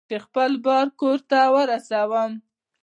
چې خپل بار کور ته ورسوم.